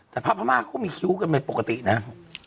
แต่พระพม่าเขามีคิ้วกันเป็นปกตินะ